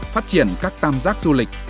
phát triển các tam giác du lịch